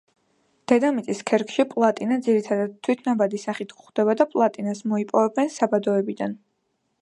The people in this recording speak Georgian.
დედამიწის ქერქში პლატინა ძირითადად თვითნაბადი სახით გვხვდება და პლატინას მოიპოვებენ საბადოებიდან.